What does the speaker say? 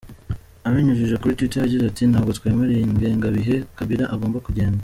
Abinyujije kuri twitter yagize ati “Ntabwo twemera iyi ngengabihe, Kabila agomba kugenda.